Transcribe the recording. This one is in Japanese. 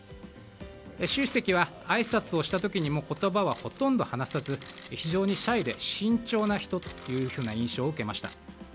習主席は、あいさつをした時にも言葉はほとんど話さず非常にシャイで慎重な人というふうな印象を受けました。